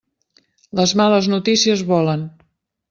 Les males notícies volen.